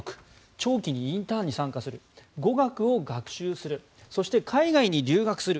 長期にインターンに参加する語学を学習するそして海外に留学する